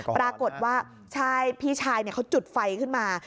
ปรากฏว่าใช่พี่ชายเขาจุดไฟขึ้นมา